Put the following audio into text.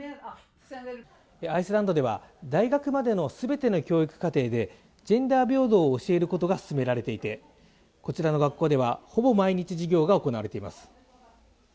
アイスランドでは大学までの全ての教育課程でジェンダー平等を教えることが進められていてこちらの学校ではほぼ毎日授業が行われています